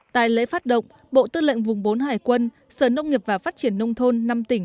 tại lễ phát động bộ tư lệnh vùng bốn hải quân sở nông nghiệp và phát triển nông thôn năm tỉnh